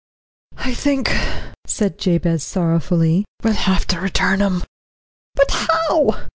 "I think," said Jabez sorrowfully, "we'll have to return 'em." "But how?"